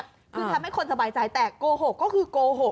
คือทำให้คนสบายใจแต่โกหกก็คือโกหก